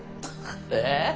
えっ？